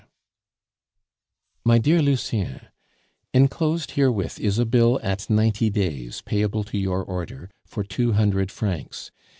_ "MY DEAR LUCIEN, Enclosed herewith is a bill at ninety days, payable to your order, for two hundred francs.